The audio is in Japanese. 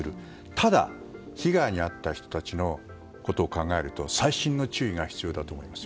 ただ、被害に遭った人たちのことを考えると細心の注意が必要だと思います。